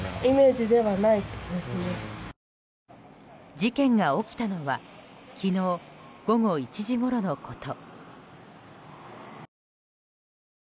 事件が起きたのは昨日午後１時ごろのこと。